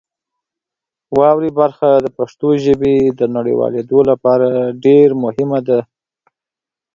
واورئ برخه د پښتو ژبې د نړیوالېدو لپاره ډېر مهمه ده.